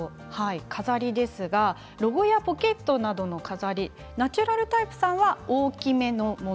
飾りですがロゴやポケットなどの飾りナチュラルタイプさんは大きめのもの。